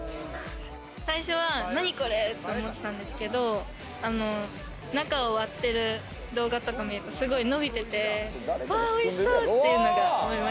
最初は何これ？って思ったんですけど、中を割ってる動画とか見るとすごい伸びてて、あ、おいしそう！